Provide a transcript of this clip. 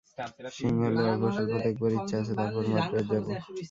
সিংহলে অল্পস্বল্প দেখবার ইচ্ছা আছে, তারপর মান্দ্রাজ যাব।